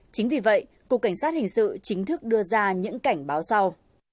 chính vì vậy cục cảnh sát hình sự chính thức đưa ra những cảnh báo sau